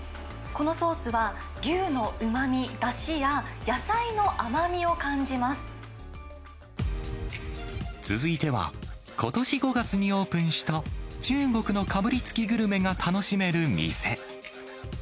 このソースは、牛のうまみ、続いては、ことし５月にオープンした、中国のかぶりつきグルメが楽しめる店。